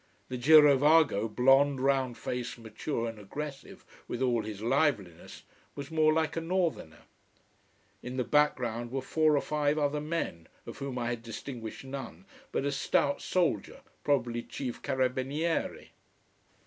The girovago, blond, round faced, mature and aggressive with all his liveliness, was more like a northerner. In the background were four or five other men, of whom I had distinguished none but a stout soldier, probably chief carabiniere.